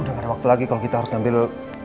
udah gak ada waktu lagi kalau kita harus ngambil